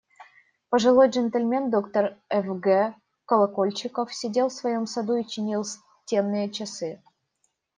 Пожилой джентльмен, доктор Ф. Г. Колокольчиков, сидел в своем саду и чинил стенные часы.